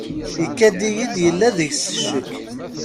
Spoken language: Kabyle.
Ikad-iyi-d yella deg-s ccek.